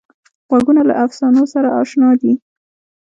غوږونه له افسانو سره اشنا دي